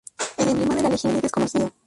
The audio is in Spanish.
El emblema de la legión es desconocido.